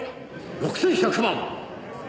「６１００万！」